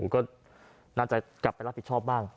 ก็น่าจะกลับไปรับผิดชอบบ้าง